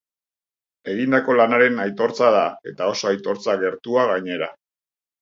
Egindako lanaren aitortza da, eta oso aitortza gertua gainera.